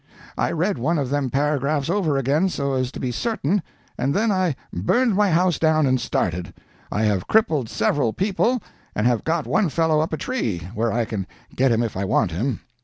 I read one of them paragraphs over again, so as to be certain, and then I burned my house down and started. I have crippled several people, and have got one fellow up a tree, where I can get him if I want him.